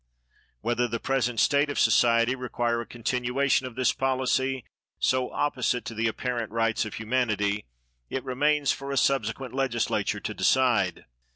Whether the present state of society require a continuation of this policy, so opposite to the apparent rights of humanity, it remains for a subsequent legislature to decide.